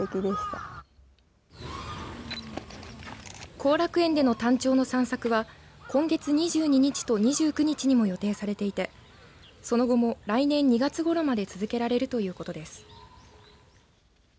後楽園でのタンチョウの散策は今月２２日と２９日にも予定されていてその後も来年２月ごろまで続けられるということです。